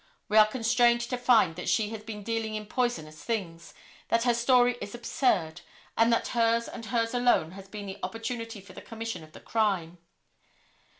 We are constrained to find that she has been dealing in poisonous things; that her story is absurd, and that hers and hers alone has been the opportunity for the commission of the crime.